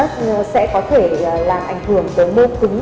sẽ có thể làm ảnh hưởng tới mô cứng